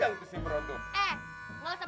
eh gak usah banyak bacot ya